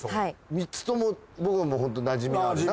３つとも僕はもうホントなじみがあるな。